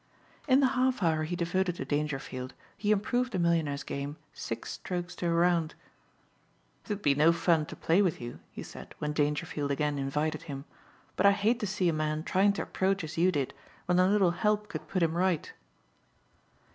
In the half hour he devoted to Dangerfield he improved the millionaire's game six strokes a round. "It would be no fun to play with you," he said when Dangerfield again invited him, "but I hate to see a man trying to approach as you did when a little help could put him right."